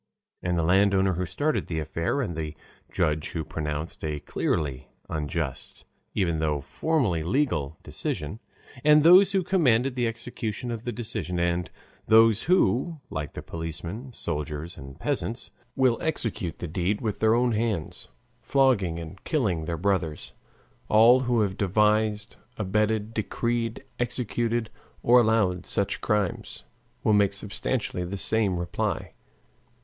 And the landowner who started the affair, and the judge who pronounced a clearly unjust even though formally legal decision, and those who commanded the execution of the decision, and those who, like the policemen, soldiers, and peasants, will execute the deed with their own hands, flogging and killing their brothers, all who have devised, abetted, decreed, executed, or allowed such crimes, will make substantially the same reply.